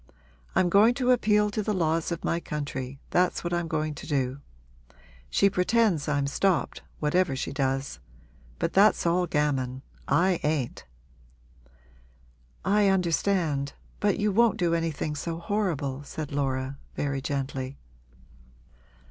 I'm going to appeal to the laws of my country that's what I'm going to do. She pretends I'm stopped, whatever she does. But that's all gammon I ain't!' 'I understand but you won't do anything so horrible,' said Laura, very gently.